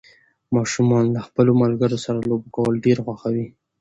ماشومان له خپلو ملګرو سره لوبې کول ډېر خوښوي